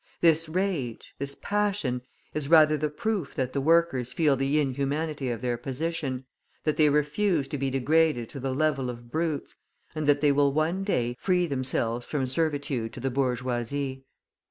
This rage, this passion, is rather the proof that the workers feel the inhumanity of their position, that they refuse to be degraded to the level of brutes, and that they will one day free themselves from servitude to the bourgeoisie.